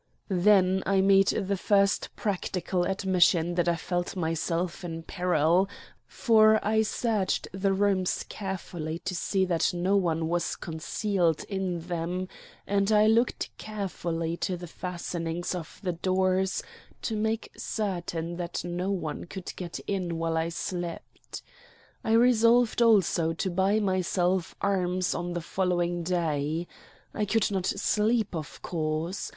Then I made the first practical admission that I felt myself in peril; for I searched the rooms carefully to see that no one was concealed in them, and I looked carefully to the fastenings of the doors to make certain that no one could get in while I slept. I resolved also to buy myself arms on the following day. I could not sleep, of course.